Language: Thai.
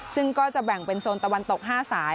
ซึ่งก็จะแบ่งเป็นโซนตะวันตก๕สาย